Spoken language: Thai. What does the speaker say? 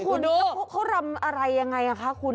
แล้วคุณเขารามอะไรยังไงค่ะคุณ